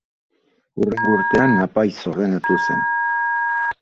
Hurrengo urtean apaiz ordenatu zen.